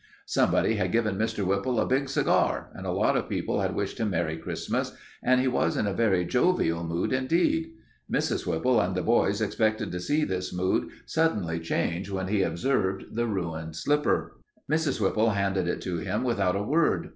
Somebody had given Mr. Whipple a big cigar, and a lot of people had wished him Merry Christmas, and he was in a very jovial mood indeed. Mrs. Whipple and the boys expected to see this mood suddenly change when he observed the ruined slipper. Mrs. Whipple handed it to him without a word.